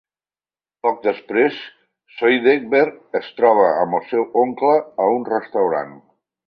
Poc després, Zoidberg es troba amb el seu oncle a un restaurant.